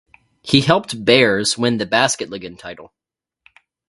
He helped Bears win the Basketligaen title.